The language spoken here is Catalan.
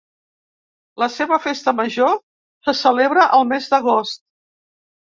La seva festa major se celebra al mes d'agost.